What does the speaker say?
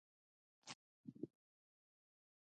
خپل کلتور ته په درنه سترګه وګورئ.